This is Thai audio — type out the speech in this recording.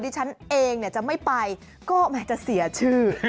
ดิฉันเองจะไม่ไปก็แม้จะเสียชื่อ